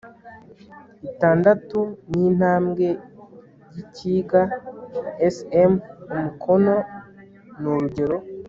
itandatu n intambwe y ikiga Sm Umukono ni urugero